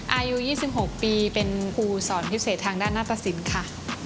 อายุ๒๖ปีเป็นครูสอนพิเศษทางด้านหน้าตสินค่ะ